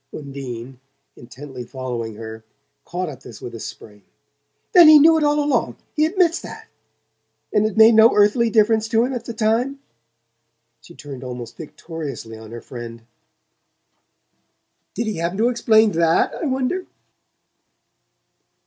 Undine, intently following her, caught at this with a spring. "Then he knew it all along he admits that? And it made no earthly difference to him at the time?" She turned almost victoriously on her friend. "Did he happen to explain THAT, I wonder?"